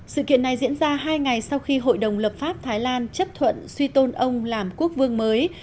sự kiện này diễn ra hai ngày sau khi hội đồng lập pháp thái lan chấp thuận suy tôn ông làm quốc vương mới